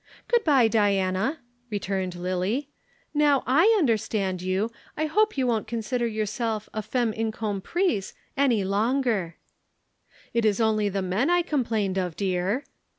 "Good bye, Diana," returned Lillie. "Now I understand you I hope you won't consider yourself a femme incomprmise any longer." "It is only the men I complained of, dear."